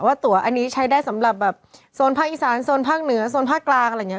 ตัวอันนี้ใช้ได้สำหรับแบบโซนภาคอีสานโซนภาคเหนือโซนภาคกลางอะไรอย่างนี้